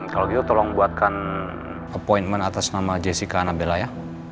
kalau gitu tolong buatkan appointment atas nama jessica nambella ya